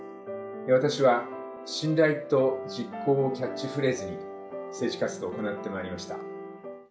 私は信頼と実行をキャッチフレーズに政治活動を行ってまいりました。